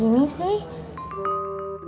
pernahkahcano maupres jahren